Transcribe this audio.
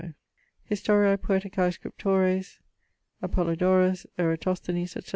Historiae poeticae scriptores; Apollodorus, Eratosthenes, etc.